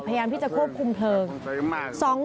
พยายามที่จะควบคุมเพลิงมาก